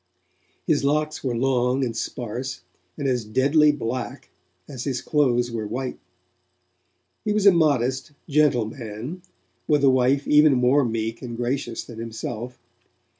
His locks were long and sparse, and as deadly black as his clothes were white. He was a modest, gentle man, with a wife even more meek and gracious than himself.